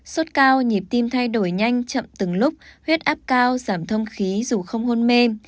sốt cao nhịp tim thay đổi nhanh chậm từng lúc huyết áp cao giảm thông khí dù không hôn mê